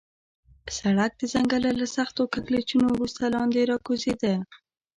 سړک د ځنګله له سختو کږلېچونو وروسته لاندې راکوزېده.